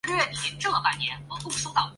八小时后出货